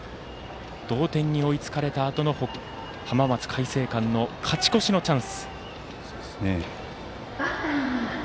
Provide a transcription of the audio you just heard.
同点に追いつかれたあとの浜松開誠館の勝ち越しのチャンス。